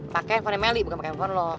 pake teleponnya meli bukan pake telepon lo